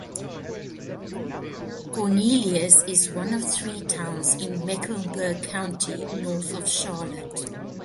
Cornelius is one of three towns in Mecklenburg county north of Charlotte.